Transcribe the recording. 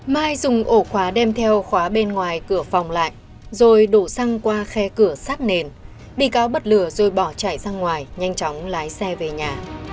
mai dùng ổ khóa đem theo khóa bên ngoài cửa phòng lại rồi đổ xăng qua khe cửa sát nền bị cáo bật lửa rồi bỏ chạy ra ngoài nhanh chóng lái xe về nhà